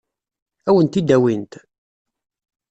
Ad wen-t-id-awint?